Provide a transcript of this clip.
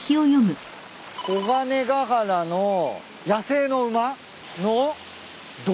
小金原の野生の馬の土手跡？